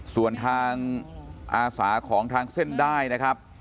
ส่วนทางอาสาของทางเส้นได้นะครับ